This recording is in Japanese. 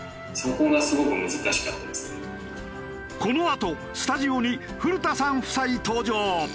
このあとスタジオに古田さん夫妻登場！